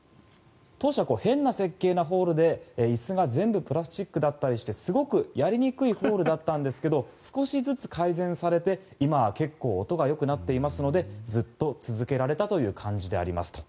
当初は変な設計のホールで椅子が全部プラスチックだったりしてすごくやりにくいホールだったんですけど少しずつ改善されて今は結構音がよくなっていますのでずっと続けられたという感じでありますと。